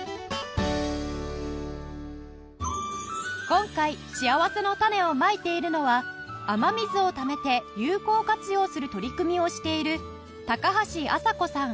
今回しあわせのたねをまいているのは雨水をためて有効活用する取り組みをしている高橋朝子さん